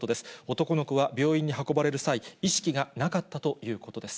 男の子は病院に運ばれる際、意識がなかったということです。